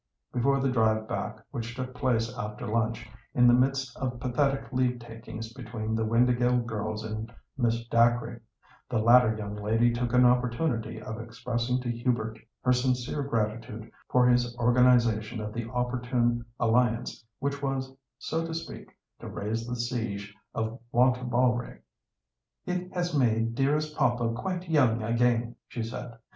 Before the drive back, which took place after lunch, in the midst of pathetic leave takings between the Windāhgil girls and Miss Dacre, the latter young lady took an opportunity of expressing to Hubert her sincere gratitude for his organisation of the opportune alliance which was, so to speak, to raise the siege of Wantabalree. "It has made dearest papa quite young again," she said.